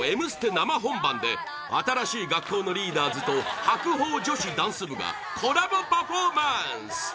生本番で新しい学校のリーダーズと白鵬女子ダンス部がコラボパフォーマンス！